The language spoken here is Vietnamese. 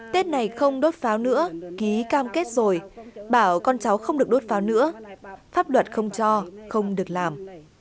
tết này không đốt pháo nữa ký cam kết rồi bảo con cháu không được đốt pháo nữa pháp luật không cho không được làm